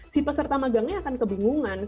si peserta magangnya akan kebingungan